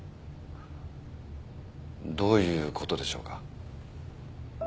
どういう事でしょうか？